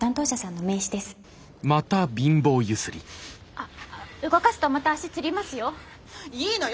あ動かすとまた足つりますよ。いいのよ。